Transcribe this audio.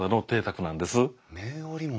綿織物！